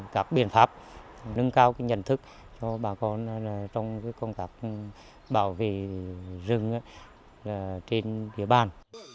các biện pháp nâng cao nhận thức cho bà con trong công tác bảo vệ rừng trên địa bàn